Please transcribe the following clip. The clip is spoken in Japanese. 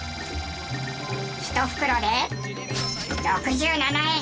１袋で６７円。